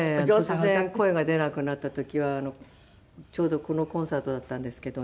突然声が出なくなった時はちょうどこのコンサートだったんですけどね。